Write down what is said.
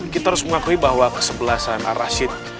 kita harus mengakui bahwa kesebelasan ar rashid